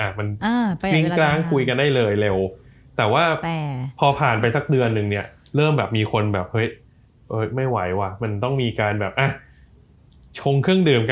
ชงเครื่องดื่มกันออนไลน์กันนิดหนึ่งอะไรอย่างนี้อ่าโอ้โหแต่ละ